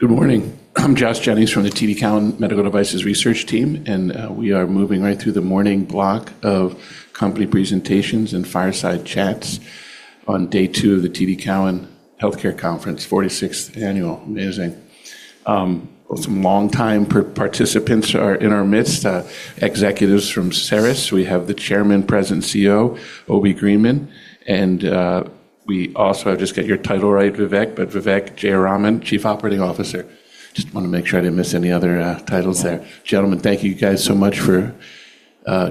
Good morning. I'm Josh Jennings from the TD Cowen Medical Devices research team, and we are moving right through the morning block of company presentations and fireside chats on day two of the TD Cowen Healthcare Conference, 46th annual. Amazing. Some longtime participants are in our midst. Executives from Cerus. We have the Chairman, President, CEO, Obi Greenman, and we also I'll just get your title right, Vivek. Vivek Jayaraman, Chief Operating Officer. Just wanna make sure I didn't miss any other titles there. Gentlemen, thank you guys so much for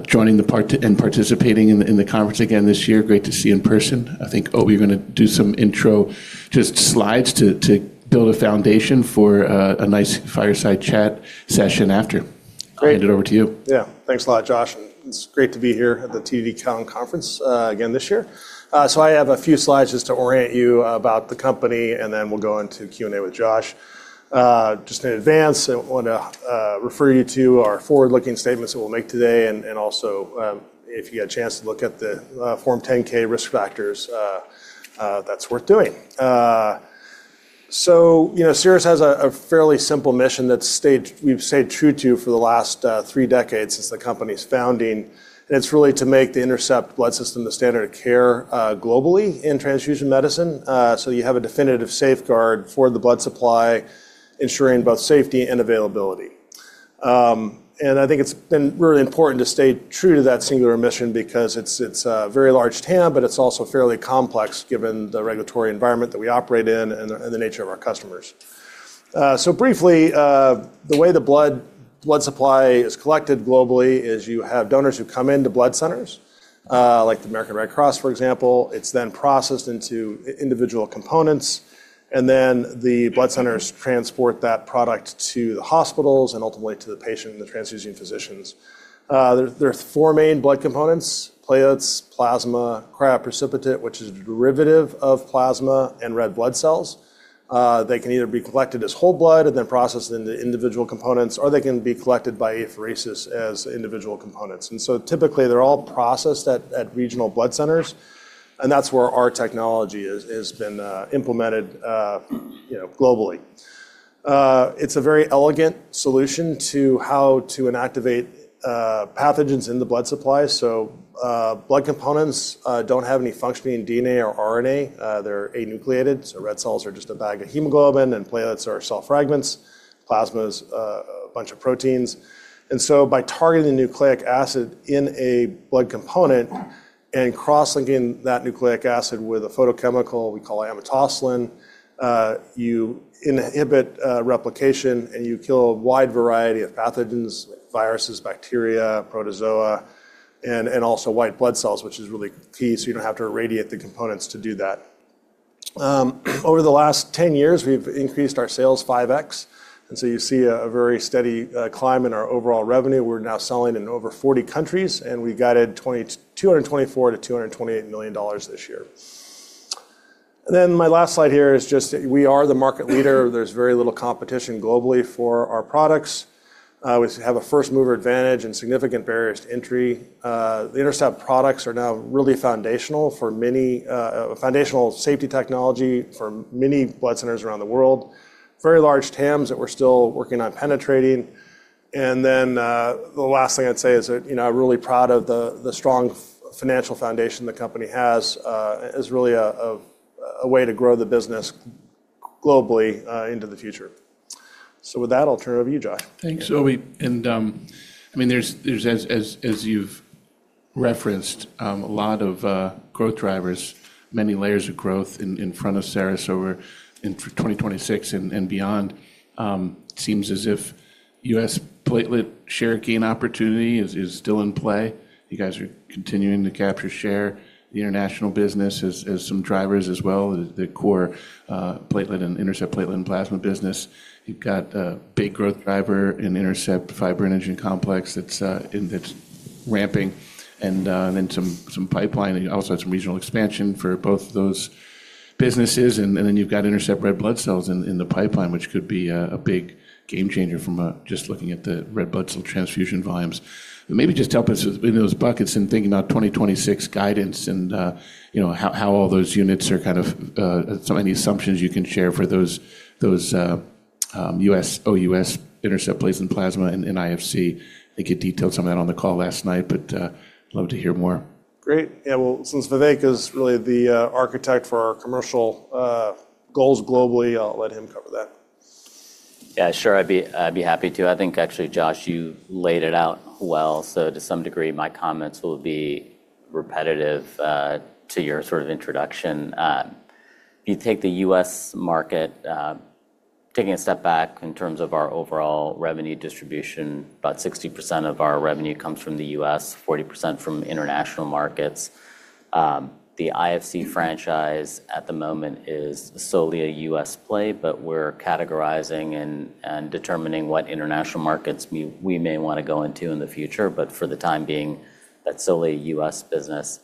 joining the part and participating in the conference again this year. Great to see you in person. I think, Obi, you're gonna do some intro, just slides to build a foundation for a nice fireside chat session after. Great. I'll hand it over to you. Yeah. Thanks a lot, Josh. It's great to be here at the TD Cowen conference again this year. I have a few slides just to orient you about the company, and then we'll go into Q&A with Josh. Just in advance, I wanna refer you to our forward-looking statements that we'll make today and also, if you get a chance to look at the Form 10-K risk factors, that's worth doing. You know, Cerus has a fairly simple mission that we've stayed true to for the last three decades since the company's founding. It's really to make the INTERCEPT Blood System the standard of care globally in transfusion medicine, so you have a definitive safeguard for the blood supply, ensuring both safety and availability. I think it's been really important to stay true to that singular mission because it's a very large TAM, but it's also fairly complex given the regulatory environment that we operate in and the nature of our customers. Briefly, the way the blood supply is collected globally is you have donors who come into blood centers, like the American Red Cross, for example. It's then processed into individual components, and then the blood centers transport that product to the hospitals and ultimately to the patient and the transfusion physicians. There are four main blood components: platelets, plasma, cryoprecipitate, which is a derivative of plasma, and red blood cells. They can either be collected as whole blood and then processed into individual components, or they can be collected by apheresis as individual components. Typically, they're all processed at regional blood centers, and that's where our technology has been, you know, globally. It's a very elegant solution to how to inactivate pathogens in the blood supply. Blood components don't have any functioning DNA or RNA. They're anucleated, so red cells are just a bag of hemoglobin, and platelets are cell fragments. Plasma is a bunch of proteins. By targeting nucleic acid in a blood component and cross-linking that nucleic acid with a photochemical we call amotosalen, you inhibit replication, and you kill a wide variety of pathogens, viruses, bacteria, protozoa, and also white blood cells, which is really key, so you don't have to irradiate the components to do that. Over the last 10 years, we've increased our sales 5x. You see a very steady climb in our overall revenue. We're now selling in over 40 countries. We guided $224 million-$228 million this year. My last slide here is just we are the market leader. There's very little competition globally for our products. We have a first-mover advantage and significant barriers to entry. The INTERCEPT products are now really foundational safety technology for many blood centers around the world. Very large TAMs that we're still working on penetrating. The last thing I'd say is that, you know, I'm really proud of the strong financial foundation the company has. It's really a way to grow the business globally into the future. With that, I'll turn it over to you, Josh. Thanks, Obi. I mean, there's, as you've referenced, a lot of growth drivers, many layers of growth in front of Cerus over in 2026 and beyond. Seems as if U.S. platelet share gain opportunity is still in play. You guys are continuing to capture share. The international business has some drivers as well. The core platelet and INTERCEPT platelet and plasma business. You've got a big growth driver in INTERCEPT Fibrinogen Complex that's ramping. Then some pipeline. You also had some regional expansion for both of those businesses. Then you've got INTERCEPT Red Blood Cells in the pipeline, which could be a big game changer from, just looking at the red blood cell transfusion volumes. Maybe just help us in those buckets in thinking about 2026 guidance and, you know, how all those units are kind of. Any assumptions you can share for those OUS INTERCEPT plates and plasma and IFC. I think you detailed some of that on the call last night, but love to hear more. Great. Yeah, well, since Vivek is really the architect for our commercial goals globally, I'll let him cover that. Yeah, sure. I'd be happy to. I think actually, Josh, you laid it out well, so to some degree, my comments will be repetitive to your sort of introduction. If you take the U.S. market, taking a step back in terms of our overall revenue distribution, about 60% of our revenue comes from the U.S., 40% from international markets. The IFC franchise at the moment is solely a U.S. play, but we're categorizing and determining what international markets we may wanna go into in the future. For the time being, that's solely a U.S. business.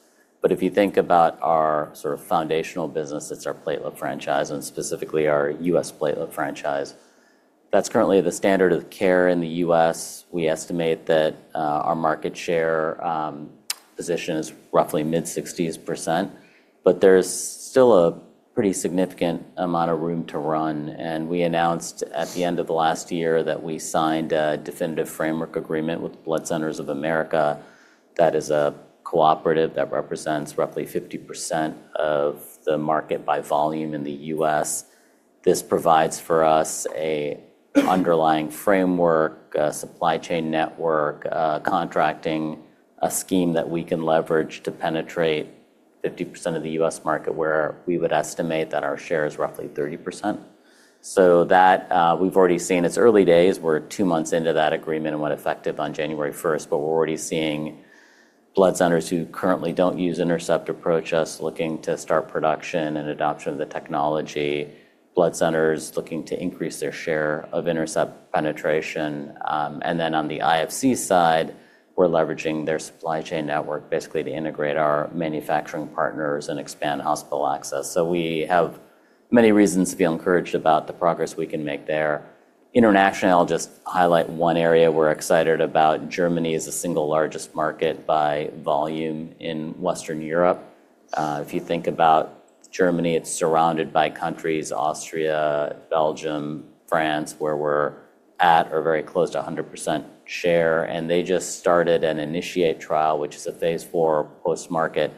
If you think about our sort of foundational business, it's our platelet franchise and specifically our U.S. platelet franchise. That's currently the standard of care in the U.S. We estimate that our market share position is roughly mid-60s%, but there's still a pretty significant amount of room to run. We announced at the end of last year that we signed a definitive framework agreement with Blood Centers of America that is a cooperative that represents roughly 50% of the market by volume in the U.S. This provides for us a underlying framework, supply chain network, contracting, a scheme that we can leverage to penetrate 50% of the U.S. market where we would estimate that our share is roughly 30%. We've already seen. It's early days. We're two months into that agreement and went effective on January 1st, but we're already seeing blood centers who currently don't use INTERCEPT approach us looking to start production and adoption of the technology, blood centers looking to increase their share of INTERCEPT penetration. On the IFC side, we're leveraging their supply chain network basically to integrate our manufacturing partners and expand hospital access. We have many reasons to feel encouraged about the progress we can make there. Internationally, I'll just highlight one area we're excited about. Germany is the single largest market by volume in Western Europe. If you think about Germany, it's surrounded by countries Austria, Belgium, France, where we're at or very close to 100% share. They just started an INITIATE trial, which is a phase IV post-market,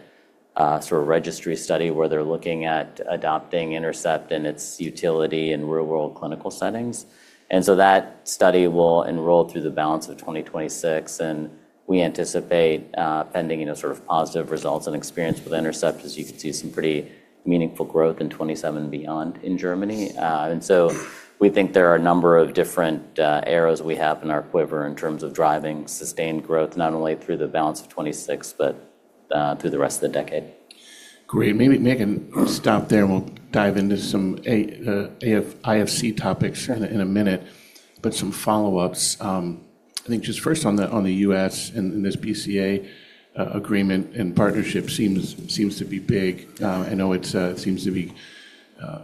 sort of registry study where they're looking at adopting INTERCEPT and its utility in real-world clinical settings. That study will enroll through the balance of 2026. We anticipate, pending, you know, sort of positive results and experience with INTERCEPT, as you can see, some pretty meaningful growth in 2027 and beyond in Germany. We think there are a number of different arrows we have in our quiver in terms of driving sustained growth, not only through the balance of 2026, but through the rest of the decade. Great. Maybe, Vivek, stop there, and we'll dive into some IFC topics in a minute. Some follow-ups, I think just first on the U.S. and this BCA agreement and partnership seems to be big. I know it's, it seems to be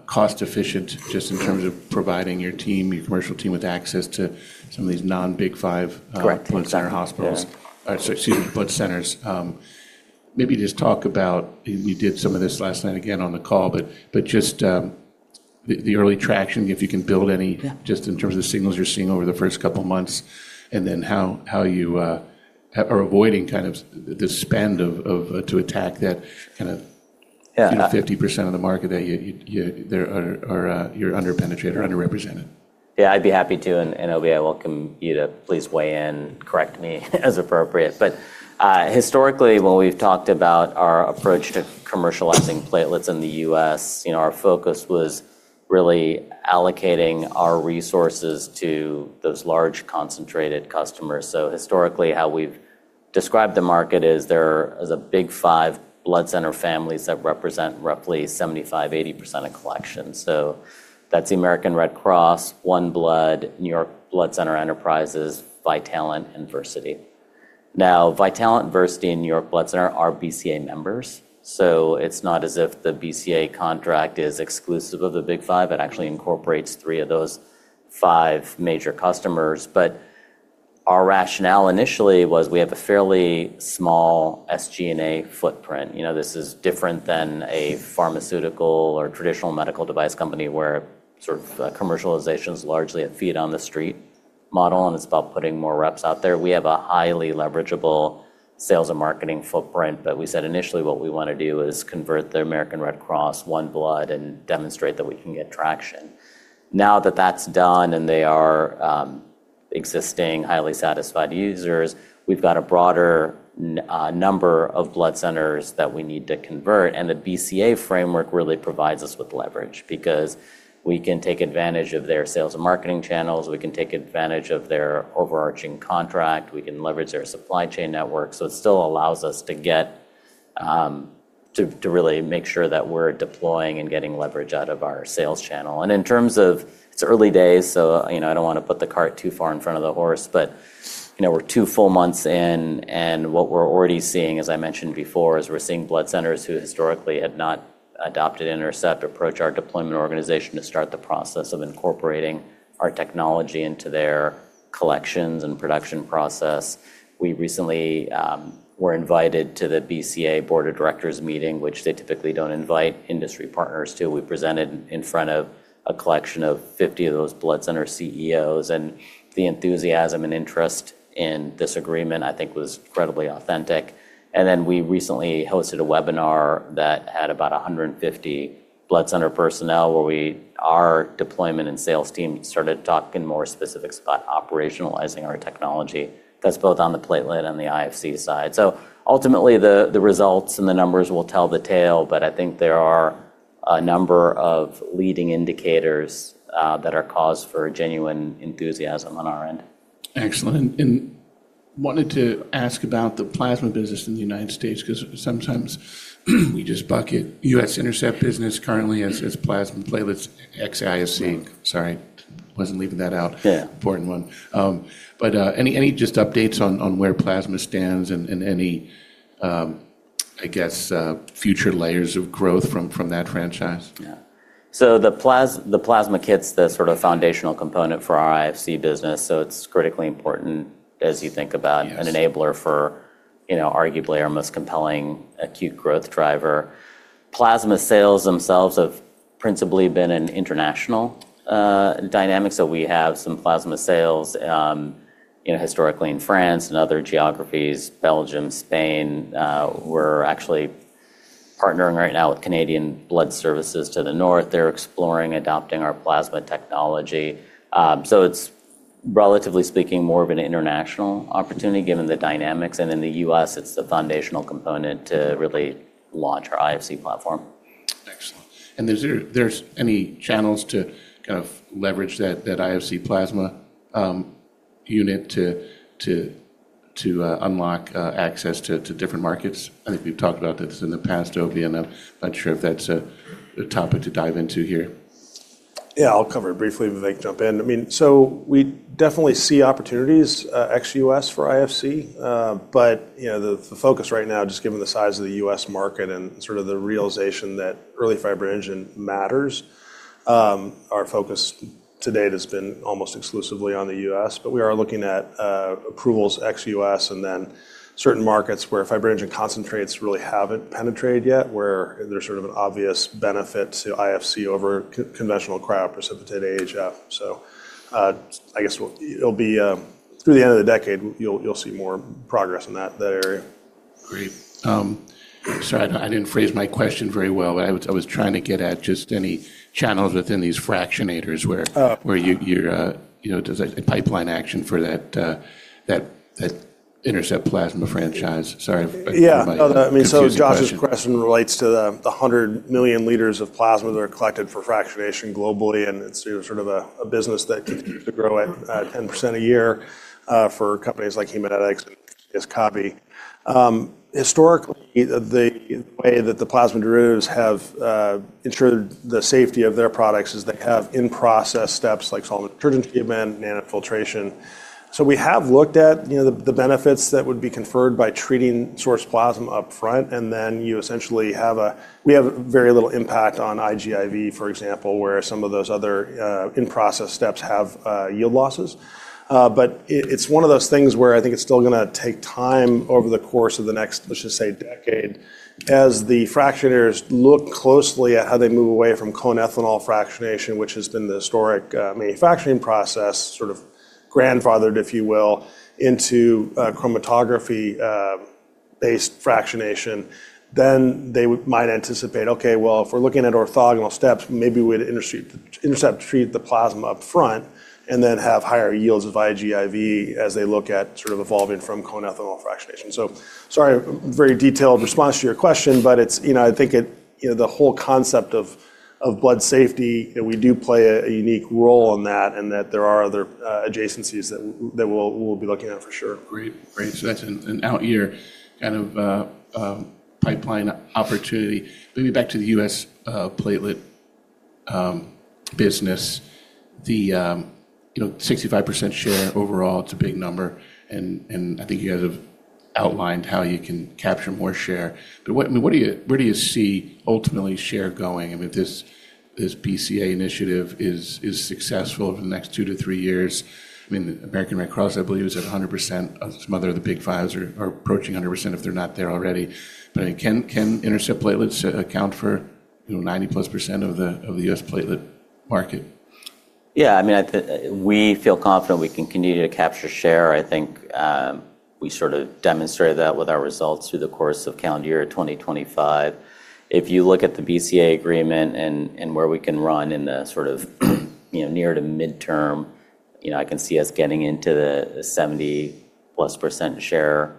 cost efficient just in terms of providing your team, your commercial team with access to some of these non-big five. Correct. Exactly. Yeah.... blood center hospitals or excuse me, blood centers. Maybe just talk about, you did some of this last night again on the call, but just, the early traction, if you can build any- Yeah... just in terms of signals you're seeing over the first couple months, and then how you are avoiding the spend of to attack that? Yeah.... you know, 50% of the market that you there are, you're under-penetrated or underrepresented. Yeah, I'd be happy to, and Obi, I welcome you to please weigh in, correct me as appropriate. Historically, when we've talked about our approach to commercializing platelets in the U.S., you know, our focus was really allocating our resources to those large concentrated customers. Historically, how we've described the market is there is a big five blood center families that represent roughly 75%, 80% of collections. That's the American Red Cross, OneBlood, New York Blood Center Enterprises, Vitalant, and Versiti. Now, Vitalant, Versiti, and New York Blood Center are BCA members, so it's not as if the BCA contract is exclusive of the big five. It actually incorporates three of those five major customers. Our rationale initially was we have a fairly small SG&A footprint. You know, this is different than a pharmaceutical or traditional medical device company where sort of, commercialization is largely a feet on the street model, and it's about putting more reps out there. We have a highly leverageable sales and marketing footprint. We said initially what we wanna do is convert the American Red Cross, OneBlood and demonstrate that we can get traction. Now that that's done and they are, existing highly satisfied users, we've got a broader number of blood centers that we need to convert. The BCA framework really provides us with leverage because we can take advantage of their sales and marketing channels, we can take advantage of their overarching contract, we can leverage their supply chain network. It still allows us to get to really make sure that we're deploying and getting leverage out of our sales channel. In terms of... It's early days, so, you know, I don't wanna put the cart too far in front of the horse, but, you know, we're two full months in, and what we're already seeing, as I mentioned before, is we're seeing blood centers who historically had not adopted INTERCEPT approach our deployment organization to start the process of incorporating our technology into their collections and production process. We recently were invited to the BCA board of directors meeting, which they typically don't invite industry partners to. We presented in front of a collection of 50 of those blood center CEOs, and the enthusiasm and interest in this agreement, I think, was incredibly authentic. We recently hosted a webinar that had about 150 blood center personnel where our deployment and sales team started talking more specifics about operationalizing our technology. That's both on the platelet and the IFC side. Ultimately, the results and the numbers will tell the tale, but I think there are a number of leading indicators that are cause for genuine enthusiasm on our end. Excellent. Wanted to ask about the plasma business in the United States 'cause sometimes we just bucket U.S. INTERCEPT business currently as plasma and platelets, ex-IFC. Sorry, wasn't leaving that out. Yeah. Important one. Any just updates on where plasma stands and any, I guess, future layers of growth from that franchise? Yeah. The plasma kit's the sort of foundational component for our IFC business, so it's critically important as you think about. Yes an enabler for, you know, arguably our most compelling acute growth driver. Plasma sales themselves have principally been an international dynamic. We have some plasma sales, you know, historically in France and other geographies, Belgium, Spain. We're actually partnering right now with Canadian Blood Services to the north. They're exploring adopting our plasma technology. It's, relatively speaking, more of an international opportunity given the dynamics. In the U.S., it's the foundational component to really launch our IFC platform. Excellent. There's any channels to kind of leverage that IFC plasma unit to unlock access to different markets? I think we've talked about this in the past, Obi, and I'm not sure if that's a topic to dive into here. I'll cover it briefly, Vivek, jump in. I mean, we definitely see opportunities ex-U.S. for IFC. You know, the focus right now, just given the size of the U.S. market and sort of the realization that early fibrinogen matters, our focus to date has been almost exclusively on the U.S. We are looking at approvals ex-U.S. and then certain markets where fibrinogen concentrates really haven't penetrated yet, where there's sort of an obvious benefit to IFC over conventional Cryoprecipitated AHF. I guess it'll be through the end of the decade, you'll see more progress in that area. Great. Sorry, I didn't phrase my question very well. I was trying to get at just any channels within these fractionators where. Oh where you're, you know, there's a pipeline action for that INTERCEPT plasma franchise. Yeah. No, I mean, Josh's question relates to the 100 million liters of plasma that are collected for fractionation globally, and it's, you know, sort of a business that continues to grow at 10% a year for companies like Haemonetics and CSL Behring. Historically, the way that the plasma derivatives have ensured the safety of their products is they have in-process steps like solvent detergent treatment, nanofiltration. We have looked at, you know, the benefits that would be conferred by treating Source Plasma up front, and then you essentially have we have very little impact on IGIV, for example, where some of those other in-process steps have yield losses. It's one of those things where I think it's still gonna take time over the course of the next, let's just say, decade. As the fractionators look closely at how they move away from Cohn ethanol fractionation, which has been the historic manufacturing process, sort of grandfathered, if you will, into chromatography based fractionation, then they might anticipate, "Okay, well, if we're looking at orthogonal steps, maybe we'd INTERCEPT treat the plasma up front and then have higher yields of IGIV," as they look at sort of evolving from Cohn ethanol fractionation. Sorry, very detailed response to your question, but it's, you know, I think it, you know, the whole concept of blood safety, you know, we do play a unique role in that and that there are other adjacencies that we'll be looking at for sure. That's an out year kind of pipeline opportunity. Maybe back to the U.S. platelet business. The, you know, 65% share overall, it's a big number and I think you guys have outlined how you can capture more share. I mean, where do you see ultimately share going? I mean, if this BCA initiative is successful in the next two to three years, I mean, American Red Cross, I believe, is at 100%. Some other of the big fives are approaching 100% if they're not there already. Can INTERCEPT platelets account for, you know, 90+% of the U.S. platelet market? Yeah. I mean, we feel confident we can continue to capture share. I think, we sort of demonstrated that with our results through the course of calendar year 2025. If you look at the BCA agreement and where we can run in the sort of, you know, near to midterm, you know, I can see us getting into the 70+% share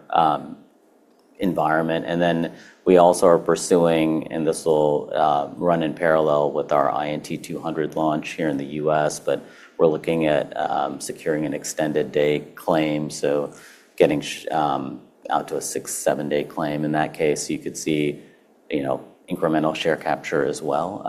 environment. We also are pursuing, and this will run in parallel with our INT 200 launch here in the U.S., but we're looking at securing an extended day claim, so getting out to a six, seven-day claim. In that case, you could see, you know, incremental share capture as well.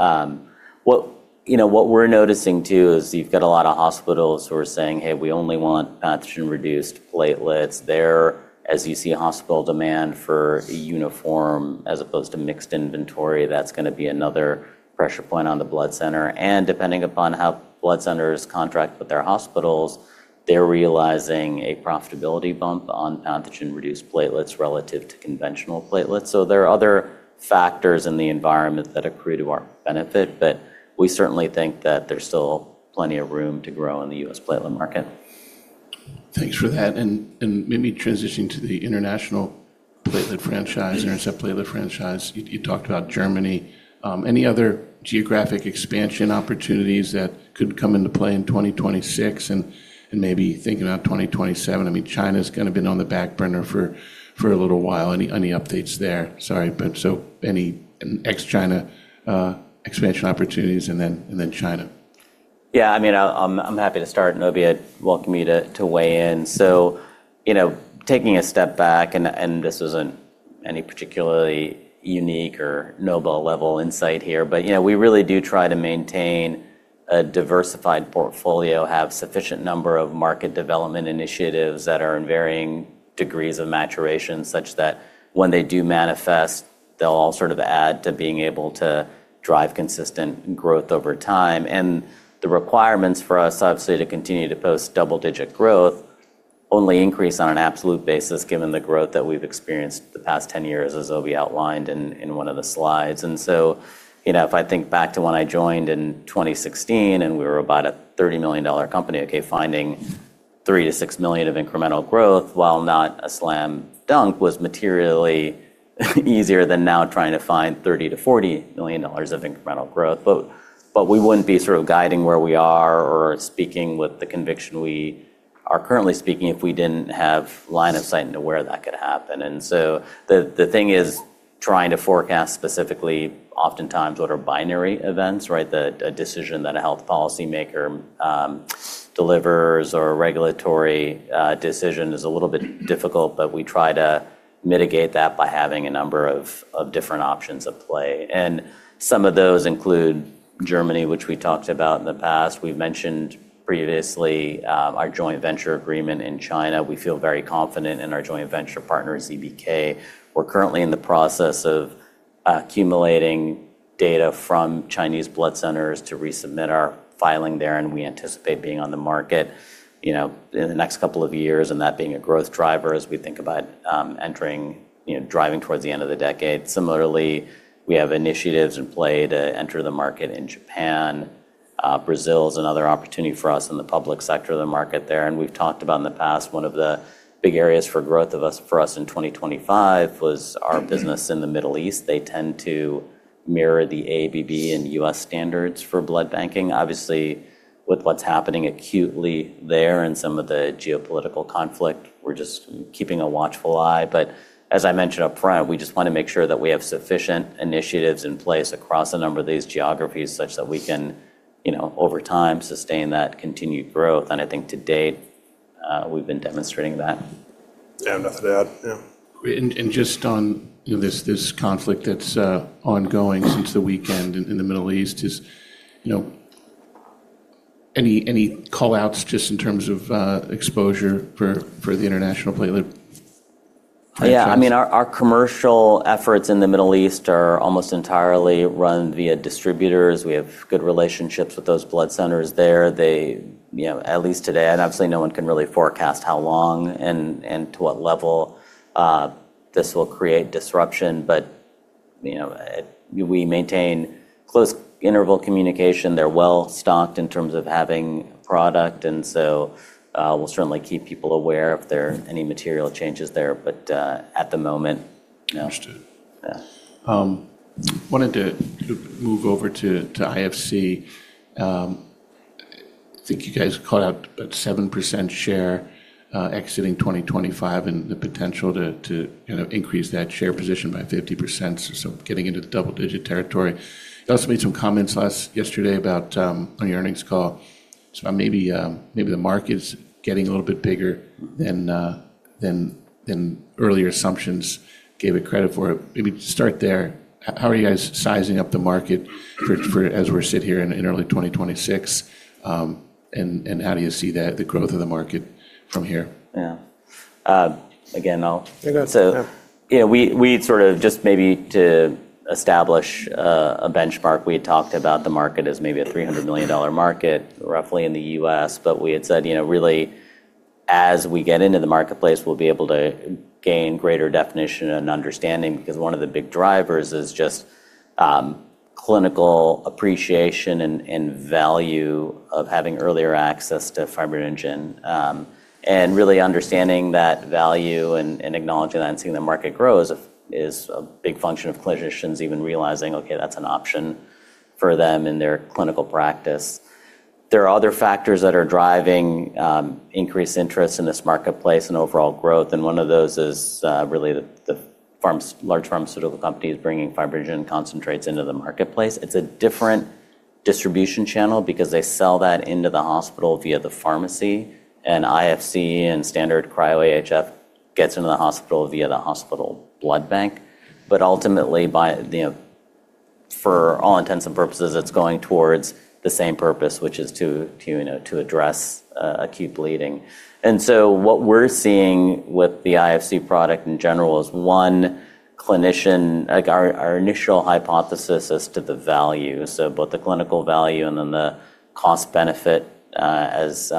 What, you know, what we're noticing too is you've got a lot of hospitals who are saying, "Hey, we only want pathogen-reduced platelets." There, as you see hospital demand for a uniform as opposed to mixed inventory, that's gonna be another pressure point on the blood center. Depending upon how blood centers contract with their hospitals, they're realizing a profitability bump on pathogen-reduced platelets relative to conventional platelets. There are other factors in the environment that accrue to our benefit, but we certainly think that there's still plenty of room to grow in the U.S. platelet market. Thanks for that. Maybe transitioning to the international platelet franchise. Yes... INTERCEPT platelet franchise. You talked about Germany. Any other geographic expansion opportunities that could come into play in 2026 and maybe thinking out 2027? I mean, China's kind of been on the back burner for a little while. Any updates there? So any ex-China expansion opportunities, and then China. Yeah. I mean, I'm happy to start, and Obi, I'd welcome you to weigh in. You know, taking a step back and this isn't any particularly unique or noble level insight here, but, you know, we really do try to maintain a diversified portfolio, have sufficient number of market development initiatives that are in varying degrees of maturation such that when they do manifest, they'll all sort of add to being able to drive consistent growth over time. The requirements for us, obviously, to continue to post double-digit growth only increase on an absolute basis given the growth that we've experienced the past 10 years, as Obi outlined in one of the slides. You know, if I think back to when I joined in 2016 and we were about a $30 million company, okay, finding $3 million-$6 million of incremental growth, while not a slam dunk, was materially easier than now trying to find $30 million-$40 million of incremental growth. We wouldn't be sort of guiding where we are or speaking with the conviction we are currently speaking if we didn't have line of sight into where that could happen. The thing is trying to forecast specifically oftentimes what are binary events, right? A decision that a health policy maker delivers or a regulatory decision is a little bit difficult, but we try to mitigate that by having a number of different options at play. Some of those include Germany, which we talked about in the past. We've mentioned previously, our joint venture agreement in China. We feel very confident in our joint venture partner, ZBK. We're currently in the process of accumulating data from Chinese blood centers to resubmit our filing there, and we anticipate being on the market, you know, in the next couple of years, and that being a growth driver as we think about, driving towards the end of the decade. Similarly, we have initiatives in play to enter the market in Japan. Brazil is another opportunity for us in the public sector of the market there. We've talked about in the past, one of the big areas for growth for us in 2025 was our business in the Middle East. They tend to mirror the AABB and U.S. standards for blood banking. Obviously, with what's happening acutely there and some of the geopolitical conflict, we're just keeping a watchful eye. As I mentioned up front, we just want to make sure that we have sufficient initiatives in place across a number of these geographies such that we can, you know, over time, sustain that continued growth. I think to date, we've been demonstrating that. Yeah. Nothing to add. Yeah. Just on, you know, this conflict that's ongoing since the weekend in the Middle East. Is, you know, any call-outs just in terms of exposure for the international platelet clients? I mean, our commercial efforts in the Middle East are almost entirely run via distributors. We have good relationships with those blood centers there. They, you know, at least today, and obviously, no one can really forecast how long and to what level this will create disruption. You know, we maintain close interval communication. They're well-stocked in terms of having product. We'll certainly keep people aware if there are any material changes there. At the moment, no. Understood. Yeah. Wanted to move over to IFC. I think you guys called out a 7% share exiting 2025 and the potential to, you know, increase that share position by 50%. Getting into the double-digit territory. You also made some comments yesterday about on the earnings call. Maybe the market's getting a little bit bigger than earlier assumptions gave it credit for. Maybe start there. How are you guys sizing up the market for as we sit here in early 2026? How do you see the growth of the market from here? Yeah. again, Yeah, go for it. Yeah. Yeah, we sort of just maybe to establish a benchmark, we had talked about the market as maybe a $300 million market roughly in the US. We had said, you know, really as we get into the marketplace, we'll be able to gain greater definition and understanding because one of the big drivers is just clinical appreciation and value of having earlier access to fibrinogen. Really understanding that value and acknowledging that and seeing the market grow is a big function of clinicians even realizing, okay, that's an option for them in their clinical practice. There are other factors that are driving increased interest in this marketplace and overall growth, and one of those is really the large pharmaceutical companies bringing fibrinogen concentrates into the marketplace. It's a different distribution channel because they sell that into the hospital via the pharmacy. IFC and standard Cryo AHF gets into the hospital via the hospital blood bank. Ultimately, you know, for all intents and purposes, it's going towards the same purpose, which is to, you know, to address acute bleeding. What we're seeing with the IFC product in general is one clinician. Like, our initial hypothesis as to the value, so both the clinical value and then the cost benefit, as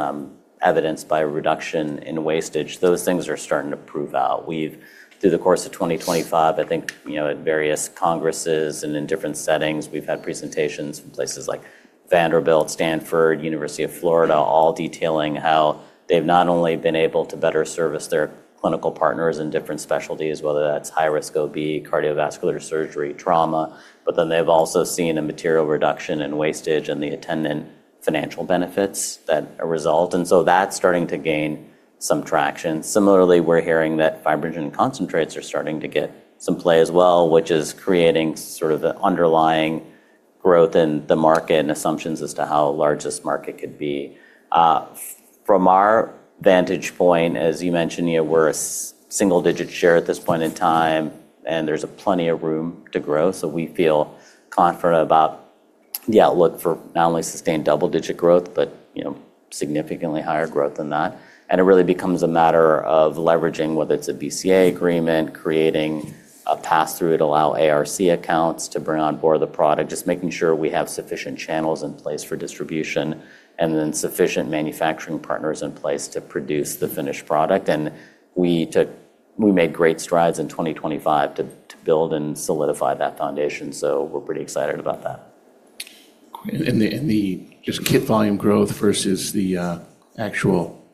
evidenced by a reduction in wastage, those things are starting to prove out. We've Through the course of 2025, I think, you know, at various congresses and in different settings, we've had presentations in places like Vanderbilt, Stanford, University of Florida, all detailing how they've not only been able to better service their clinical partners in different specialties, whether that's high-risk OB, cardiovascular surgery, trauma. They've also seen a material reduction in wastage and the attendant financial benefits that result. That's starting to gain some traction. Similarly, we're hearing that fibrinogen concentrates are starting to get some play as well, which is creating sort of the underlying growth in the market and assumptions as to how large this market could be. From our vantage point, as you mentioned, you know, we're a single-digit share at this point in time, and there's plenty of room to grow. We feel confident about the outlook for not only sustained double-digit growth but, you know, significantly higher growth than that. It really becomes a matter of leveraging, whether it's a BCA agreement, creating a pass-through to allow ARC accounts to bring on board the product, just making sure we have sufficient channels in place for distribution and then sufficient manufacturing partners in place to produce the finished product. We made great strides in 2025 to build and solidify that foundation. We're pretty excited about that. The just kit volume growth versus the actual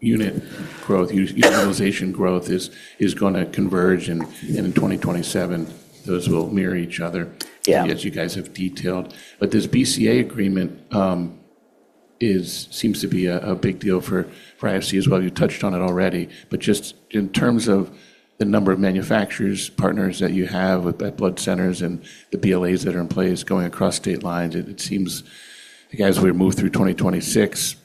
utilization growth is gonna converge and in 2027 those will mirror each other. Yeah. as you guys have detailed. This BCA agreement seems to be a big deal for IFC as well. You touched on it already, just in terms of the number of manufacturers, partners that you have at blood centers and the BLAs that are in place going across state lines, it seems like as we move through 2026,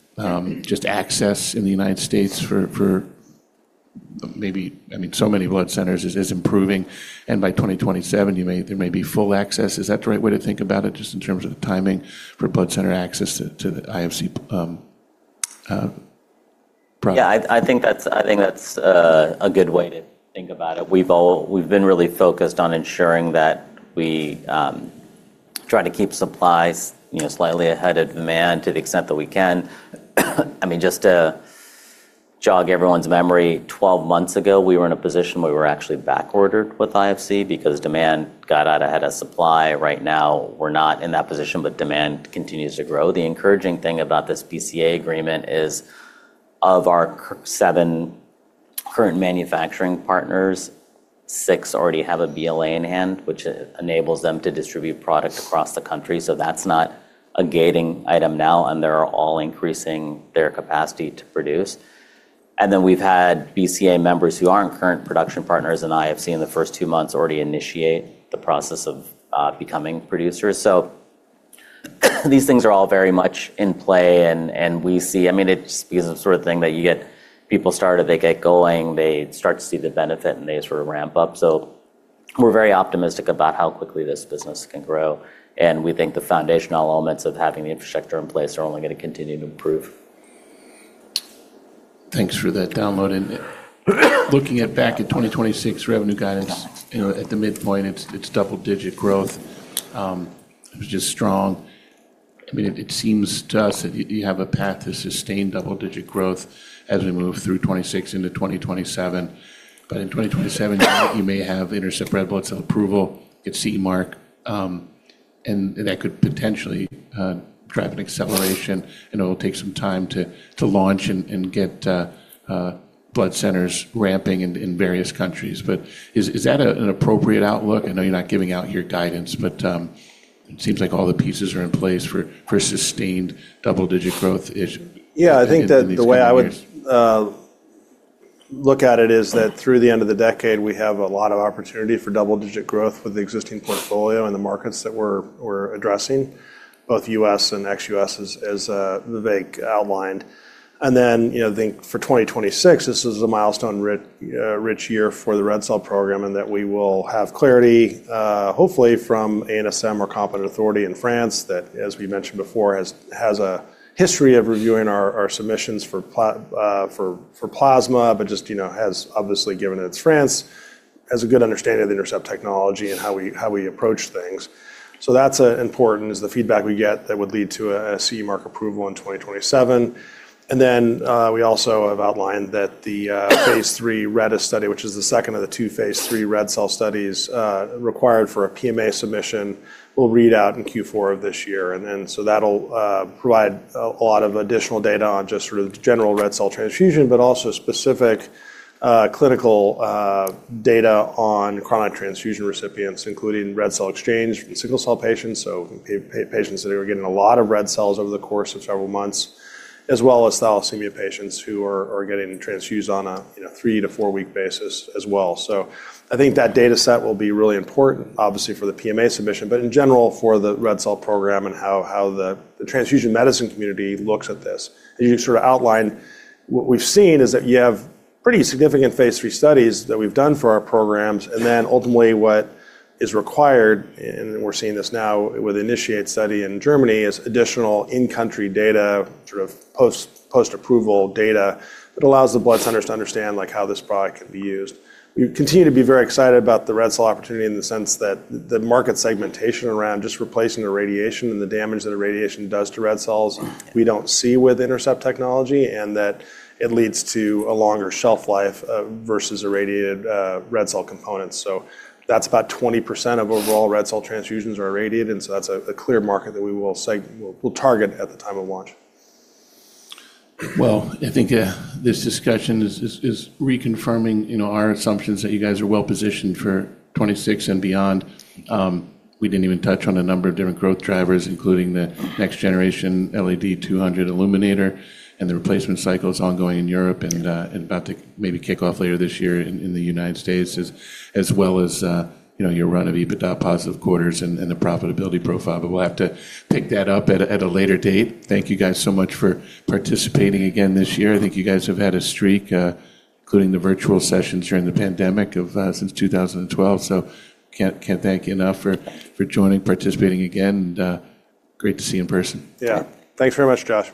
just access in the United States for maybe... I mean, so many blood centers is improving, and by 2027 there may be full access. Is that the right way to think about it, just in terms of timing for blood center access to the IFC product? Yeah, I think that's a good way to think about it. We've been really focused on ensuring that we try to keep supplies, you know, slightly ahead of demand to the extent that we can. I mean, just to jog everyone's memory, 12 months ago we were in a position where we were actually backordered with IFC because demand got out ahead of supply. Right now, we're not in that position, but demand continues to grow. The encouraging thing about this BCA agreement is of our seven current manufacturing partners, six already have a BLA in hand, which enables them to distribute product across the country. That's not a gating item now, and they're all increasing their capacity to produce. We've had BCA members who aren't current production partners in IFC in the first two months already initiate the process of becoming producers. These things are all very much in play. I mean, it's the sort of thing that you get people started, they get going, they start to see the benefit, and they sort of ramp up. We're very optimistic about how quickly this business can grow, and we think the foundational elements of having the infrastructure in place are only gonna continue to improve. Thanks for that download. Looking back at 2026 revenue guidance, you know, at the midpoint it's double-digit growth, which is strong. I mean, it seems to us that you have a path to sustained double-digit growth as we move through 2026 into 2027. In 2027 you may have INTERCEPT Red Blood Cells approval, get CE mark, and that could potentially drive an acceleration. I know it'll take some time to launch and get blood centers ramping in various countries. Is that an appropriate outlook? I know you're not giving out your guidance, but it seems like all the pieces are in place for sustained double-digit growth. I think that the way I would look at it is that through the end of the decade we have a lot of opportunity for double-digit growth with the existing portfolio and the markets that we're addressing, both U.S. and ex-U.S. as Vivek outlined. You know, I think for 2026 this is a milestone rich year for the red cell program, and that we will have clarity, hopefully from ANSM or competent authority in France that, as we mentioned before, has a history of reviewing our submissions for plasma, but just, you know, has obviously, given it's France, has a good understanding of INTERCEPT technology and how we approach things. That's important is the feedback we get that would lead to a CE mark approval in 2027. We also have outlined that the phase III REDS study, which is the second of the two phase III red cell studies, required for a PMA submission, will read out in Q4 of this year. That'll provide a lot of additional data on just sort of general red cell transfusion, but also specific clinical data on chronic transfusion recipients, including Red Cell Exchange from sickle cell patients, so patients that are getting a lot of red cells over the course of several months, as well as thalassemia patients who are getting transfused on a, you know, three to four week basis as well. I think that data set will be really important, obviously for the PMA submission, but in general for the red cell program and how the transfusion medicine community looks at this. As you sort of outlined, what we've seen is that you have pretty significant phase III studies that we've done for our programs, ultimately what is required, and we're seeing this now with the INITIATE study in Germany, is additional in-country data, sort of post-approval data that allows the blood centers to understand, like, how this product can be used. We continue to be very excited about the red cell opportunity in the sense that the market segmentation around just replacing the radiation and the damage that radiation does to red cells we don't see with INTERCEPT technology and that it leads to a longer shelf life versus irradiated red cell components. That's about 20% of overall red cell transfusions are irradiated, that's a clear market that we'll target at the time of launch. Well, I think, this discussion is reconfirming, you know, our assumptions that you guys are well-positioned for 2026 and beyond. We didn't even touch on a number of different growth drivers, including the next generation LED 200 Illuminator and the replacement cycles ongoing in Europe and about to maybe kick off later this year in the United States as well as, you know, your run of EBITDA positive quarters and the profitability profile. We'll have to pick that up at a later date. Thank you guys so much for participating again this year. I think you guys have had a streak, including the virtual sessions during the pandemic of since 2012, so can't thank you enough for joining, participating again, and great to see you in person. Yeah. Thanks very much, Josh.